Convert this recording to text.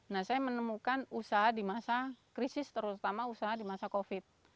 nah saya menemukan usaha di masa krisis terutama usaha di masa covid